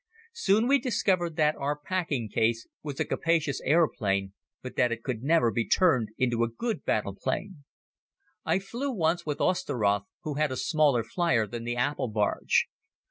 Soon we discovered that our packing case was a capacious aeroplane but that it could never be turned into a good battle plane. I flew once with Osteroth who had a smaller flier than the apple barge.